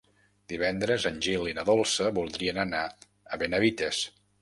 Divendres en Gil i na Dolça voldrien anar a Benavites.